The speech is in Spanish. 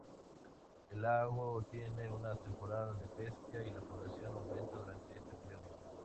El lago tiene una temporada de pesca y la población aumenta durante este período.